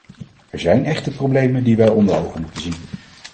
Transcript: Er zijn echter problemen die wij onder ogen moeten zien.